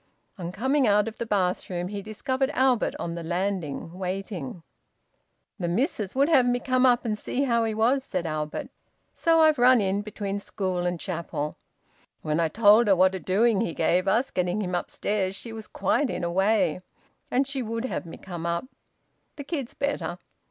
On coming out of the bathroom he discovered Albert on the landing, waiting. "The missis would have me come up and see how he was," said Albert. "So I've run in between school and chapel. When I told her what a doing he gave us, getting him upstairs, she was quite in a way, and she would have me come up. The kid's better."